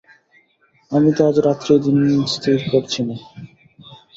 আমি তো আজ রাত্রেই দিন স্থির করছি নে।